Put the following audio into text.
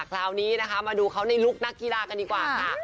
คราวนี้นะคะมาดูเขาในลุคนักกีฬากันดีกว่าค่ะ